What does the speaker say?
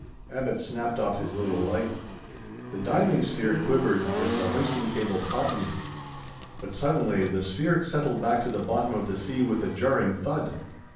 Abbot snapped off his little light. The diving sphere quivered, as the hoisting cable tautened. But suddenly the sphere settled back to the bottom of the sea with a jarring thud.